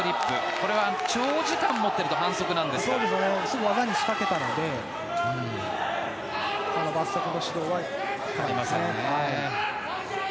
これは長時間持っているとすぐ技を仕掛けたので反則の指導はありませんね。